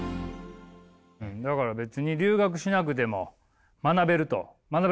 だから別に留学しなくても学べると。